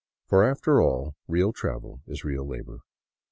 For after all, real travel is real labor.